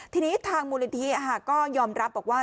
ทีนี้ทางมูลนิธิก็ยอมรับบอกว่า